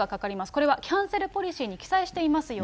これはキャンセルポリシーに記載していますよと。